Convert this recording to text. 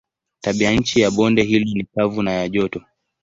Tabianchi ya bonde hilo ni kavu na ya joto.